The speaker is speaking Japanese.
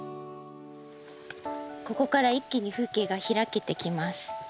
ここから一気に風景が開けてきます。